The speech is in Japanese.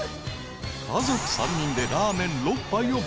［家族３人でラーメン６杯を爆食い］